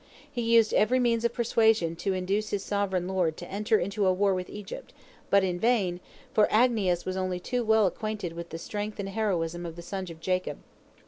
He used every means of persuasion to induce his sovereign lord to enter into a war with Egypt, but in vain, for Agnias was only too well acquainted with the strength and heroism of the sons of Jacob.